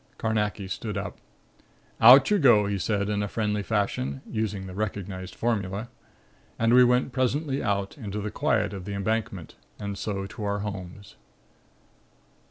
Carnacki stood up. "Out you go!" he said in friendly fashion, using the recognized formula. And we went presently out into the quiet of the Embankment, and so to our homes.